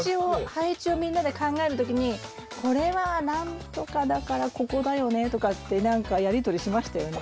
配置をみんなで考える時にこれは何とかだからここだよねとかって何かやり取りしましたよね。